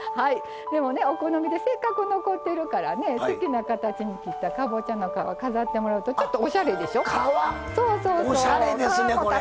でも、お好みでせっかく残ってるから好きな形に切ったかぼちゃの皮を飾ってもらうとおしゃれですね！